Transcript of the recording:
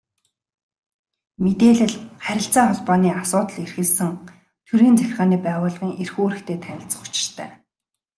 Мэдээлэл, харилцаа холбооны асуудал эрхэлсэн төрийн захиргааны байгууллагын эрх үүрэгтэй танилцах учиртай.